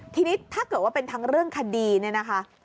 ทีนี้ถ้าเกิดว่าเป็นทั้งเรื่องคดีเนี่ยนะคะ